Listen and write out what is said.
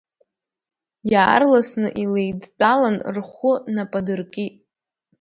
Иаарласны илеидтәалан, рхәы нападыркит.